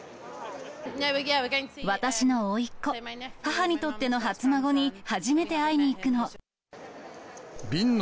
私のおいっこ、母にとっての初孫に初めて会いに行くの。